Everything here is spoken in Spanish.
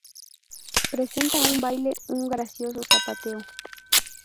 Presenta en su baile un gracioso zapateo.